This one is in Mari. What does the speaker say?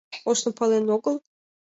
Ожно пален огыл?